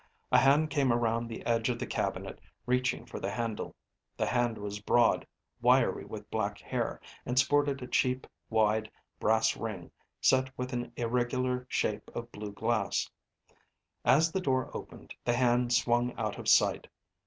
A hand came around the edge of the cabinet, reaching for the handle. The hand was broad, wiry with black hair, and sported a cheap, wide, brass ring set with an irregular shape of blue glass. As the door opened, the hand swung out of sight.